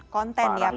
konten ya pak ya